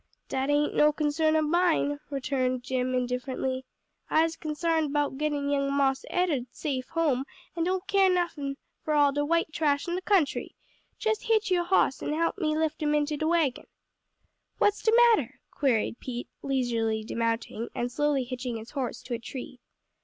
"Dat ain't no concern ob mine," returned Jim indifferently. "Ise consarned 'bout getting young Marse Ed'ard safe home, an' don't care nuffin' for all de white trash in de country. Jes hitch yo' hoss an' help me lift him into de wagon." "What's de mattah?" queried Pete, leisurely dismounting and slowly hitching his horse to a tree.